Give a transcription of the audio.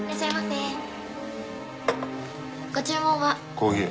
コーヒー。